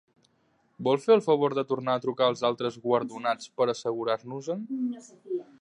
Vol fer el favor de tornar a trucar als altres guardonats per assegurar-nos-en?